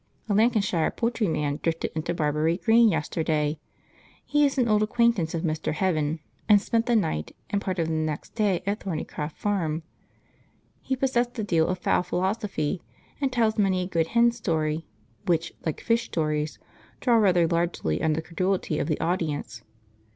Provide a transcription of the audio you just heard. A Lancashire poultryman drifted into Barbury Green yesterday. He is an old acquaintance of Mr. Heaven, and spent the night and part of the next day at Thornycroft Farm. He possessed a deal of fowl philosophy, and tells many a good hen story, which, like fish stories, draw rather largely on the credulity of the audience.